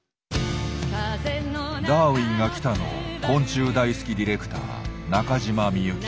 「ダーウィンが来た！」の昆虫大好きディレクター中島未由希。